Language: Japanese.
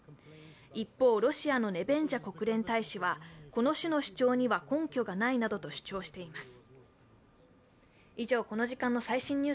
一方ロシアのネベンジャ国連大使はこの種の主張には根拠がないなどと主張しています。